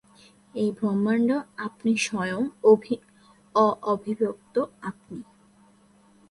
এই ব্রহ্মাণ্ড আপনি স্বয়ং, অবিভক্ত আপনি।